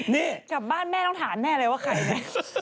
นี่กลับบ้านแม่ต้องถามแม่เลยว่าใครไหม